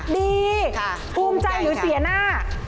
ดีภูมิใจหรือเสียหน้า